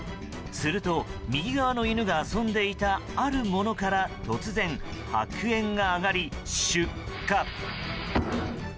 すると、右側の犬が遊んでいたあるものから突然、白煙が上がり出火。